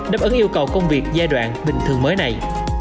đáp ứng yêu cầu công việc giai đoạn bình thường mới này